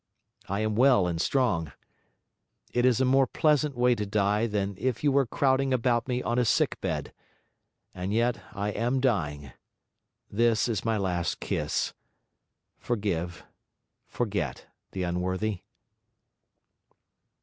I am well and strong. It is a more pleasant way to die than if you were crowding about me on a sick bed. And yet I am dying. This is my last kiss. Forgive, forget the unworthy.'